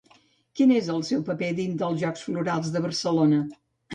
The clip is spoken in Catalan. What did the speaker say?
Quin és el seu paper dins els Jocs Florals de Barcelona?